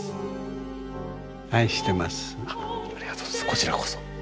こちらこそ。